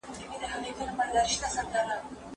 نقيب يې پټ په لاس نوکاره کړ او ويې ويل